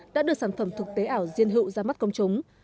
đã đưa sản phẩm thực tế ảo riêng hữu ra mắt công chúng